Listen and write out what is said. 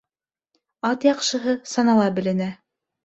Ат яҡшыһы санала беленә